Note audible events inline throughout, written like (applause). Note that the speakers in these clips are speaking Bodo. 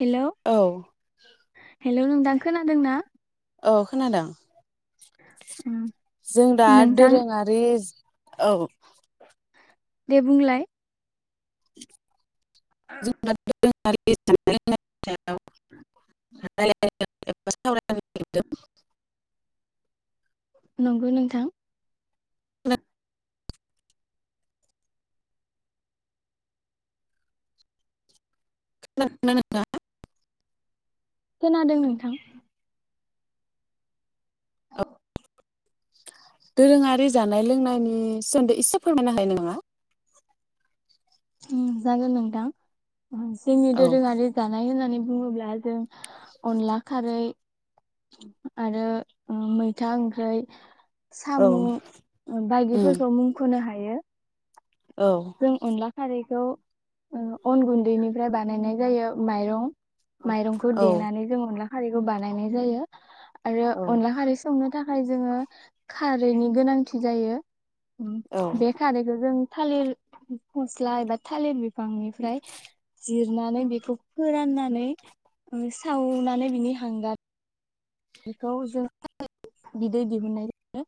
हेलौ औ हेलौ नोंथां खोनादों ना? औ खोनादों उम जों दा नोंथां दोरोङारि औ। दे बुंलाय। (unintelligible) (unintelligible) नंगौ नोंथां। (unintelligible) (unintelligible) खोनादों नोंथां। दोरोङारि जानाय लोंनायनि सोमोन्दै एसे फोरमायना हायो नामा? जागोन नोंथां। जोंनि औ दोरोङारि जानाय होननानै बुङोब्ला जों अनला खारै आरो ओ मैथा ओंख्रै सामु उम बायदिफोरखौ मुंख'नो हा हायो। औ जों अनला खारै खौ उम अन गुन्दैनिफ्राय बानायनाय जायो माइरं माइरंखौ औ देनानै जों अनला खारिखौ बानायनाय जायो। आरो अनला खारै संनो थाखाय जोङो खारैनि गोनांथि जायो। उम औ बे खारैखो जों थालिर फस्ला एबा थालिर बिफांनिफ्राय जिरनानै बेखौ फोराननानै सावनानै बिनि हांगार बेखौ जों बिदै दिहुननायायो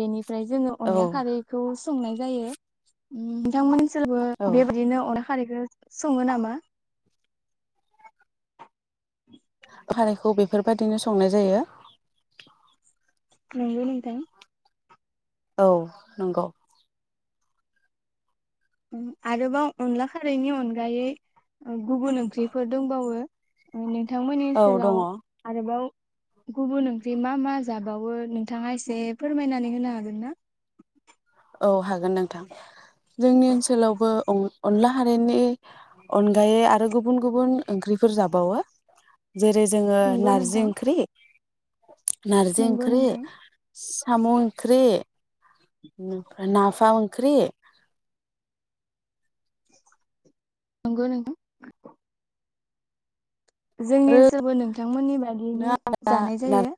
बेनि ओमफ्राय जोङो अनला खारैखौ संनाय जायो नोंथांमोननि सोरबो औ बेबायदिनो अनला खारैखो सङो नामा? खारैखौ बेफोरबायदिनो संनाय जायो। नंगौ नोंथां। औ नंगौ। आरोबाव अनला खारैनि अनगायै गुबुन ओंख्रिफोर दंबावो। (unintelligible) नोंथांमोननि औ दङ ओनसोलाव आरोबाव गुबुन ओंख्रि मा मा जाबावो नोंथाङा एसे फोरमायनानै होनो हागोन ना? औ हागोन नोंथां जोंनि ओनसोलावबो अनला खारिनि अनगायै आरो गुबुन गुबुन ओंख्रिफोर जाबावो जेरै जोङो नंगौ नारजि नोंथां ओंख्रि (inaudible) नारजि नंगौ ओंख्रि नोंथां सि साम' ओंख्रि। (unintelligible) नाफाम ओंख्रि नंगौ नोंथां। जोंनि आरो ओनसोलबो नोंथांमोननि बादियैनो जानाय नार जायो।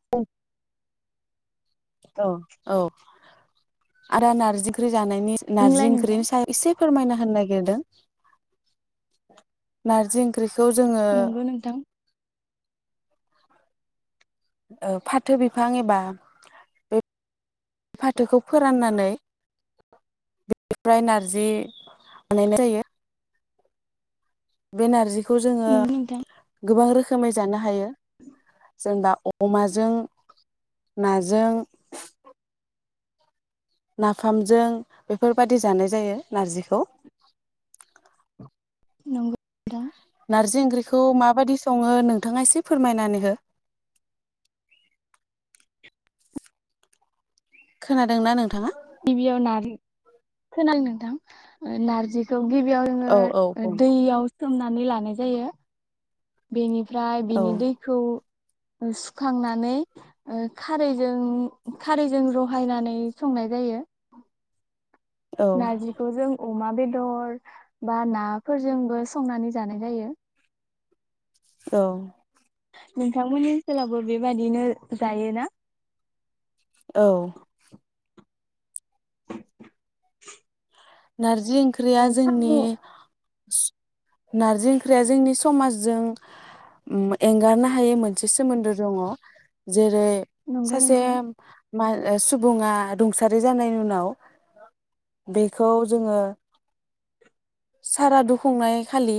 औ औ आरो नारजिख्रुय- जानायनि नारजि बुंलाय नोंथां ओंख्रिनि सायाव एसे फोरमायना होनो नागिरदों नारजि ओंख्रि खौ जोङो नंगौ नोंथां ओ फाथो बिफां एबा बे फाथोखौ फोराननानै बेनिफ्राय नारजि बानायनाय जायो। बेे नारजि खौ जोङो नंगौ नोंथां गोबां रोखोमै जानो हायो जेनेबा अमाजों नाजों नाफामजों बेफोरबायदि जानाय जायो नार्जिखौ नंगौ नोंथां नारजि ओंख्रिखौ माबायदि सङो नोंथाङा एसे फोरमायनानै हो? खोनादोंना नोंथाङा? गिबियाव नारजि खोनादों नोंथां ओ नारजि खौ गिबियाव जोङो औ औ बुं दैयाव सोमनांगौ नानै लानाय जायो। बेनि ओमफ्राय औ बिनि दैखौ सुखांनानै ओ खारैजों खारैजों रहायनानै संनाय जायो। औ नारजिखौ जों अमा बेदर बा नाफोरजोंबो संनानै जानाय जायो। औ नोंथांमोननि ओनसोलावबो बेबादिनो जायोना? औ (inaudible) नारजि जि ओंख्रिया साम' जोंनि नारजि ओंख्रिया जोंनि समाजजों उम एंगारनो हायो मोनसे सोमोन्दो दङ। जे रै- नंगौ सासे नोंथां मा सुबुङा रुंसारि जानायनि उनाव बे खौ जोङो सारादु खुंनाय खालि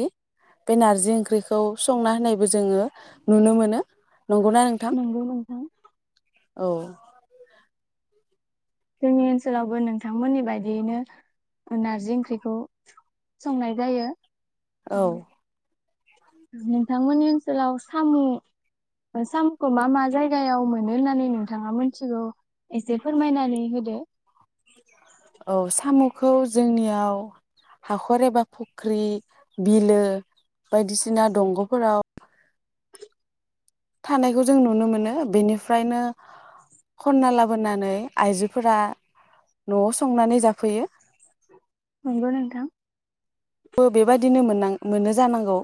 बे नारजि ओंख्रिखौ संना होनायबो जोङो नुनो मोनो। नंगौना नोंथां नंगौ नोंथां औ जोंनि ओनसोलावबो नोंथांमोननि बायदियैनो ओ नारजि ओंख्रिखौ संनाय जायो। औ नोंथांमोननि ओनसोलाव साम' साम'खौ मा मा जायगायाव मोनो होननानै नोंथाङा मिथिगौ? एसे फोरमायनानै होदो औ साम'खौ जोंनियाव हाखर एबा फुख्रि बिलो बायदिसिना दंग'फोराव थानायखौ जों नुनो मोनो बेनिफ्रायनो खनना लाबोनानै आइजोफोरा न'आव संनानै जाफैयो। नंगौ नोंथां बो बेबायदिनो मोननां मोनो जानांगौ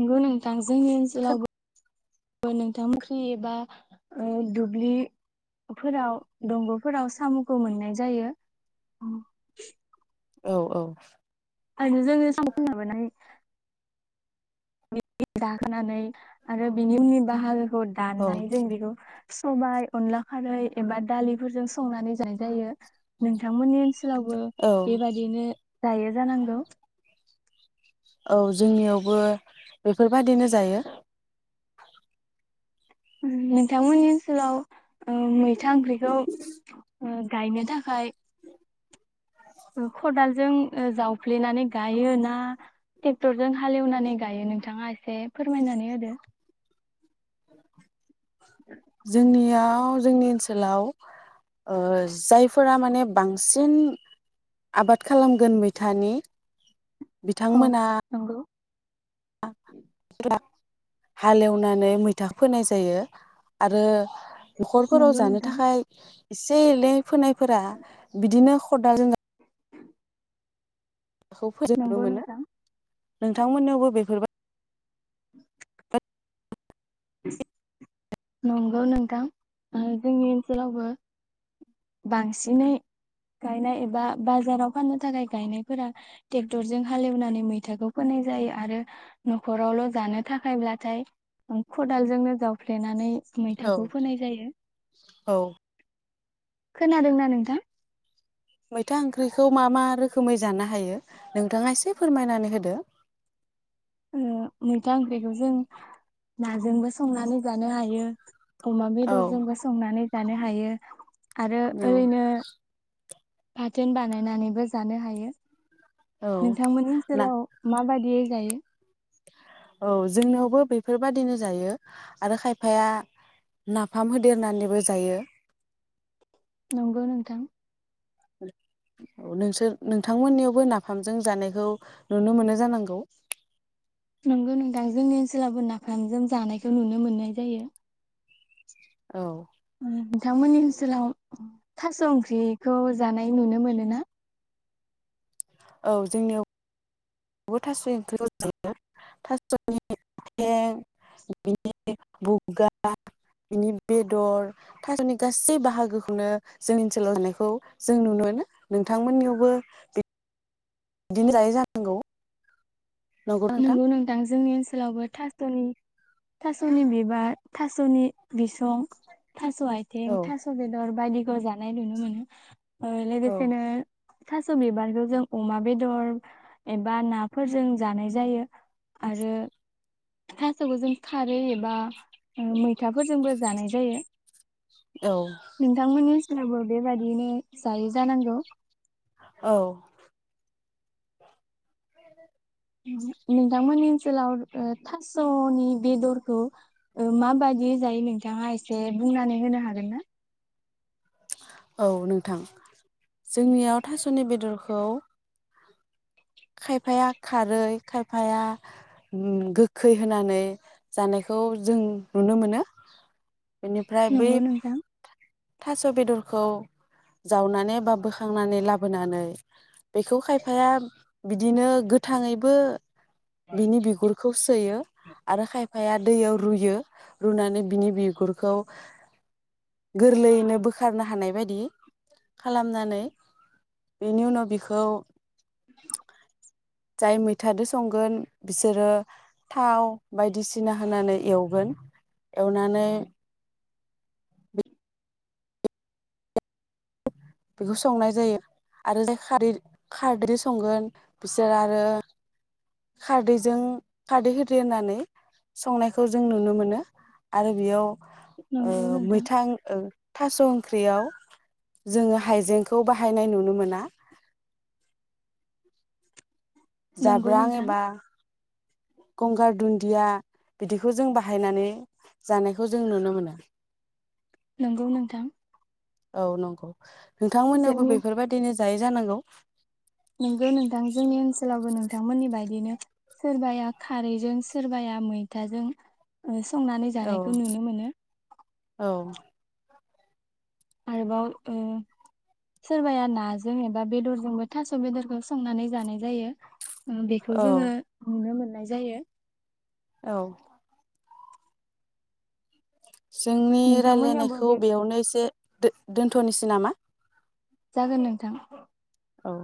नंगौ नोंथां जोंनि ओनसोलावबो बो नोंथां मोनख्रि एबा ओ दुब्लिफोराव दंग'फोराव साम'खौ मोननाय जायो। औ औ ओंखायनो जोङो (unintelligible) (unintelligible) आरो बिनि उननि बाहागो खौ दाननाय जों बेखौ सबाय अनला खारै एबा दालिफोरजों संनानै जानाय जायो नोंथांमोननि ओनसो लावबो औ बेबायदिनो जायो जानांगौ। औ जोंनियावबो बेफोरबादिनो जायो। ओ नोंथांमोननि ओनसोलाव ओ मैथा ओंख्रिखौ गायनो थाखाय ओ खदालजों ओ जावफ्लेनानै गायो ना ट्रेक्टरजों हालेवनानै गायो नोंथाङा ए से फोरमायनानै होदो जोंनिया थ' जोंनि ओनसोलाव ओ जायफोरा माने बांसिन आबाद खालामगोन मैथानि औ बिथांमोना (unintelligible) (unintelligible) हालेवनानै मैथा फोनाय जायो आरो न'खरफोराव नंगौ जानो नोंथां थाखाय एसे एले फोनायफोरा बिदिनो खदालजों खौ फोजोबनो नंगौ मोनो नोंथां नोंथांमोननियावबो बेफोरबाय (unintelligible) नंगौ नोंथां जोंनि ओनसोलावबो बांसिनै गायनाय एबा बाजाराव फाननो थाखाय गायनायफोरा ट्रेक्टरजों हालेवनानै मैथाखौ फोनाय जायो आरो न'खरावल' जानो थाखायब्लाथाय खदालजोंनो जावफ्लेनानै औ मैथाखौ फोनाय जायो औ खोनादोंना नोंथां मैथा ओंख्रिखौ मा-मा रोखोमै जानो हायो नोंथाङा एसे फोरमायनानै होदो मैथा ओंख्रिखौ जों नाजोंबो संनानै जानो हायो अमा औ बेदरजोंबो संनानै जानो हायो आरो औ ओरैनो बाथोन बानायनानैबो जानो हायो औ नोंथांमोननि ना ओनसोलाव माबायदि बिदियै जायो औ जोंनियावबो बेफोरबादिनो जायो आरो खायफाया नाफाम होदेरनानैबो जायो नंगौ नोंथां औ नोंसोर नोंथांमोननियावबो नाफामजों जानायखौ नुनो मोनो जानांगौ नंगौ नोंथां जोंनि ओनसोलावबो नाफामजों जानायखौ नुनो मोननाय जायो औ नोंथांमोननि ओनसोलाव थास' ओंख्रिखौ जानाय नुनो मोनो ना औ जोंनियाव बो थास' ओंख्रियाव जायो थास'नि आथें बिनि बुगा बिनि बेदर थास'नि गासै बाहागोखौनो जोंनि ओनसोलाव जानायखौ जों नुनो मोनो नोंथांमोननियावबो बि बिदिनो जायो जानांगौ नोंगौ नोंथां जोंनि ओनसोलावबो थास'नि थास'नि बिबार थास'नि बिसं थास' औ आइथिं थास' बेदर बायदि खौ जानाय नुनो मोनो ओ औ लोगोसेनो थास' बिबारखौ जों अमा बेदर एबा नाफोरजों जानाय जायो आरो थास'खौ जों खारै एबा मैथाफोरजोंबो जानाय जायो नोंथांमोननि लावबो बेबादियैनो जायो जानांगौ औ (inaudible) नोंथांमोननि ओनसोलाव ओ थास'नि बेदरखौ ओ माबादियै जायो नोंथाङा एसे बुंनानै होनो हागोन ना औ नोंथां जोंनियाव थास'नि बेदर खौ खायफाया खारै खायफाया गोखै होनानै जानायखौ जों नुनो मोनो बेनिफ्राय बै नंगौ नोंथां थास' बेदरखौ जावनानै बा बोखांनानै लाबोनानै बेखौ खायफाया बिदिनो गोथांङैबो बिनि बिगुरखौ सोयो आरो खायफाया दैयाव रुयो रुनानै बिनि बिगुरखौ गोरलैयैनो बोखारनो हानाय बायदि खालामनानै बेनि उनाव बिखौ (inaudible) जाय मैथादो संगोन बिसोरो थाव बायदिसिना होनानै एवगोन एवनानै बेखौ संनाय जायो आरो जाय खारै खारदै संगोन बिसोर आरो खारदैजों खारदै होदो होननानै संनायखौ जों नुनो मोनो आरो बेयाव नंगौ ओं नोंथां मैथां ओ थासं ख्रियाव जोंङो हाइजेंखौ बाहायनाय नुनो मोना नंगौ जाब्रां नोंथां एबा गंगार दुन्दिया बिदिखौ जों बाहायनानै जानायखौ जों नुनो मोनो नंगौ नोंथां औ नंगौ नोंथांमोनावबो जोंनि बेफोरबायदिनो जायो जानांगौ नोंगौ नोंथां जोंनि ओनसोलावबो नोंथांमोननि बायदिनो सोरबाया खारैजों सोरबाया मैथाजों संनानै औ जानायखौ नुनो मोनो औ आरोबाव सोरबाया नाजों एबा बेदरजोंबो थास' बेदरखौ संनानै जानाय जायो बेखौ औ जोंङो नुनो मोनो जायो औ जोंनि नोंथांमोननियावबो राय्लायनायखौ बे बेयावनो एसे दोन्थनोसै नामा? जागोन नोंथां औ